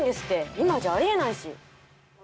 今じゃありえないし。